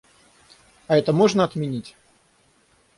А это можно отменить?